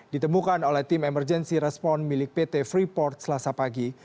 ditemukan oleh tim emergency response milik pt freeport selasa pagi